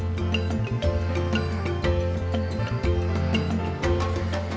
dan memiliki peluang untuk mencapai kekuatan yang lebih berharga